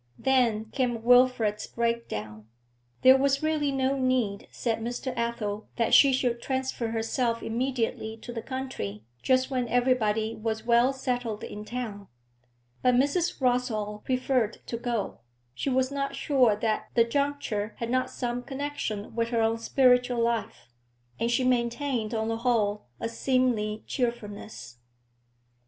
Then came Wilfrid's break down. There was really no need, said Mr. Athel, that she should transfer herself immediately to the country, just when everybody was well settled in town. But Mrs. Rossall preferred to go; she was not sure that the juncture had not some connection with her own spiritual life. And she maintained, on the whole, a seemly cheerfulness.